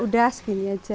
udah segini aja